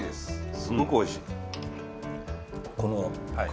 すごくおいしい。